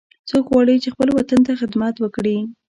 څوک غواړي چې خپل وطن ته خدمت وکړي